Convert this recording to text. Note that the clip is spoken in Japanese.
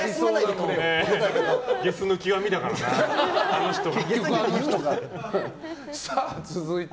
ゲスの極みだからな、あの人は。